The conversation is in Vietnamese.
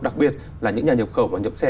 đặc biệt là những nhà nhập khẩu và nhập xe